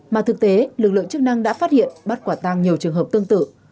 mà thực tế lực lượng chức năng đã phát hiện bắt quả tăng nhiều trường hợp tương tự